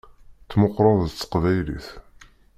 Tmeqqṛeḍ-d s teqbaylit.